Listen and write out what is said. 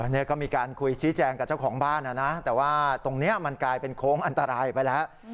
นี่ก็มีการคุยชี้แจงกับเจ้าของบ้านนะนะแต่ว่าตรงนี้มันกลายเป็นโค้งอันตรายไปแล้ว